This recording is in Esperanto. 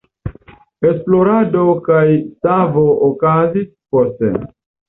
Esplorado kaj savo okazis poste.